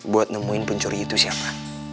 buat nemuin pencuri itu siapa